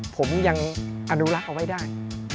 ผมยังอนุรักษ์เอาไว้ได้